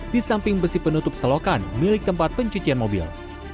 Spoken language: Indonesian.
di samping besi penutup selokan milik tempat pencucian mobil